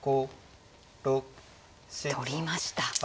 取りました。